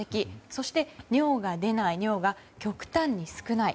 そして、尿が出ない尿が極端に少ない。